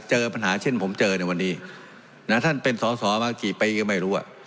เจอปัญหาเช่นผมเจอในวันนี้นะท่านเป็นสอสอมากี่ปีก็ไม่รู้อ่ะ